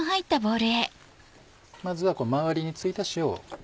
まずはこの周りに付いた塩を。